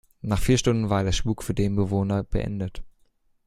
Nach vier Stunden war der Spuk für den Bewohner beendet.